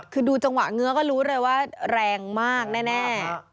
คือดูจังหวะเงื้อก็รู้เลยว่าแรงมากแน่